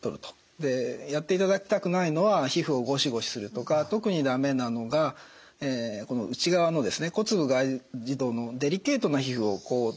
やっていただきたくないのは皮膚をゴシゴシするとか特にだめなのがこの内側の骨部外耳道のデリケートな皮膚をこすると。